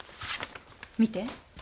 見て。